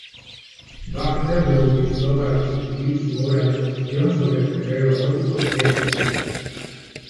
Wagner lo utilizó para describir su obra de ficción sobre el guerrero gótico Kane.